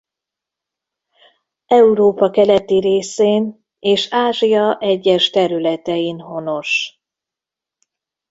Európa keleti részén és Ázsia egyes területein honos.